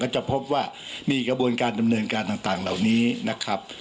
จะพบว่ามีกระบวนการดำเนินการต่างเหล่านี้นะครับ